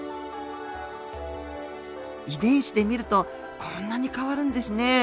遺伝子で見るとこんなに変わるんですね。